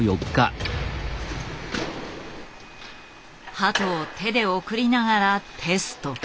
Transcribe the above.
鳩を手で送りながらテスト。